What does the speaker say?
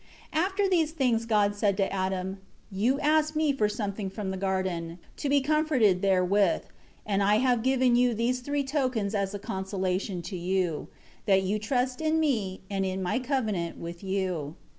1 After these things God said to Adam, "You asked Me for something from the garden, to be comforted therewith, and I have given you these three tokens as a consolation to you; that you trust in Me and in My covenant with you.